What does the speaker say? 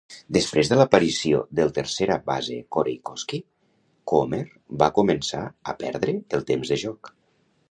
Després de l'aparició del tercera base Corey Koskie, Coomer va començar a perdre el temps de joc.